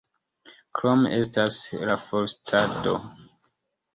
Krome estas la forstado.